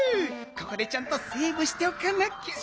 ここでちゃんとセーブしておかなきゃ。